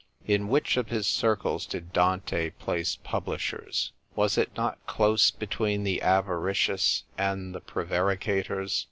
' In which of his circles did Dante place publishers? Was it not close between the avaricious and the prevaricators